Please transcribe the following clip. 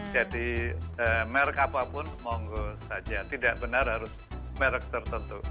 jadi merk apapun monggo saja tidak benar harus merk tertentu